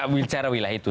bicara wilayah itu